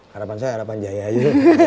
harapan saya harapan jaya aja